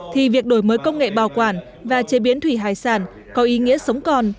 thì việc đổi mới công nghệ bảo quản và chế biến thủy hải sản có ý nghĩa sống còn